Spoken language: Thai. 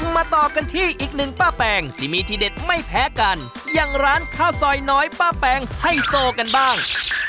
มาต่อกันที่อีกหนึ่งป้าแปงที่มีที่เด็ดไม่แพ้กันอย่างร้านข้าวซอยน้อยป้าแปงไฮโซกันบ้าง